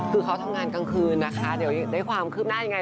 คือเขาทำงานกลางคืนนะคะเดี๋ยวได้ความคืบหน้ายังไง